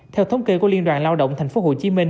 theo thống kê của liên đoàn lao động thành phố hồ chí minh